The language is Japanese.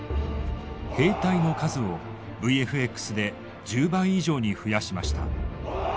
兵隊の数をＶＦＸで１０倍以上に増やしました。